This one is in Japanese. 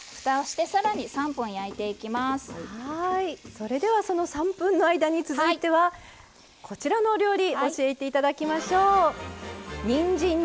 それではその３分の間に続いてはこちらのお料理教えて頂きましょう。